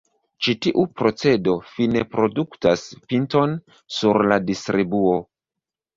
Ĉi-tiu procedo fine produktas pinton sur la distribuo.